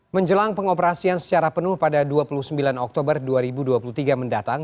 menjelang pengoperasian secara penuh pada dua puluh sembilan oktober dua ribu dua puluh tiga mendatang